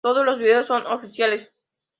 Todos los videos son oficiales.